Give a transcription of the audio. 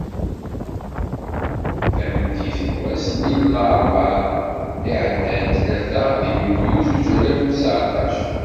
Tameddit n wass-nni n larebɛa iɛeddan, tlata deg yulyu zuǧ alaf u seεṭac.